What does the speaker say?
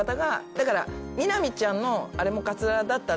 だから南ちゃんのあれもカツラだったんで。